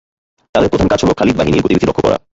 তাদের প্রধান কাজ হলো, খালিদ বাহিনীর গতিবিধি লক্ষ্য করা।